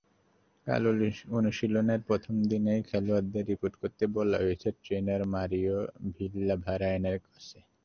কাল অনুশীলনের প্রথম দিনেই খেলোয়াড়দের রিপোর্ট করতে বলা হয়েছে ট্রেনার মারিও ভিল্লাভারায়ানের কাছে।